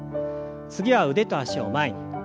次は腕と脚を前に。